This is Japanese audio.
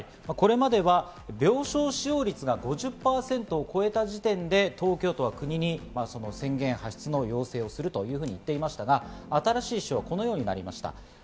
これまでは病床使用率が５０％を超えた時点で、東京都は国に宣言発出の要請をすると言っていましたが、新しい指標はこうなりました。